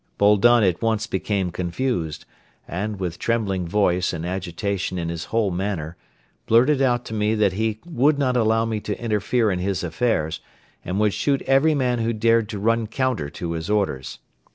Boldon at once became confused and, with trembling voice and agitation in his whole manner, blurted out to me that he would not allow me to interfere in his affairs and would shoot every man who dared to run counter to his orders.